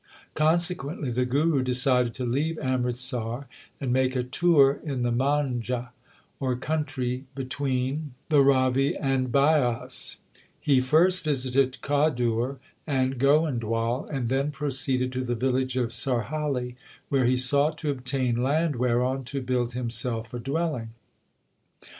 Consequently the Guru decided to leave Amritsar and make a tour in the Man] ha, or country between 1 Maru Solha. LIFE OF GURU ARJAN 21 the Ravi and Bias. He first visited Khadur and Goindwal, and then proceeded to the village of Sarhali, where he sought to obtain land whereon to build himself a dwelling.